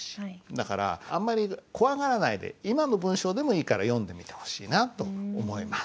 だからあんまり怖がらないで今の文章でもいいから読んでみてほしいなと思います。